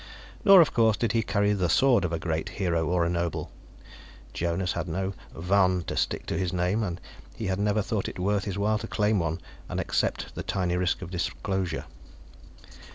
Nor, of course, did he carry the sword of a great hero, or a noble. Jonas had no von to stick on his name, and he had never thought it worth his while to claim one and accept the tiny risk of disclosure.